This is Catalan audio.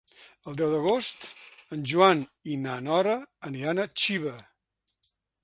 El deu d'agost en Joan i na Nora aniran a Xiva.